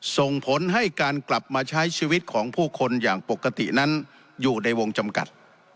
ส่งผลให้การกลับมาใช้ชีวิตของผู้คนอย่างปกตินั้นอยู่ในวงจำกัด